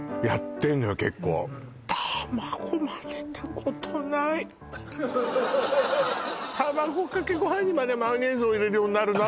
これ卵かけご飯にまでマヨネーズを入れるようになるの？